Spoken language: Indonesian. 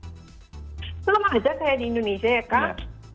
itu lama aja kayak di indonesia ya kak